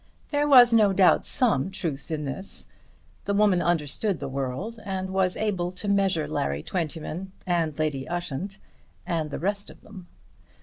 There was no doubt some truth in this. The woman understood the world and was able to measure Larry Twentyman and Lady Ushant and the rest of them.